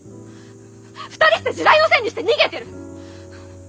２人して時代のせいにして逃げてる！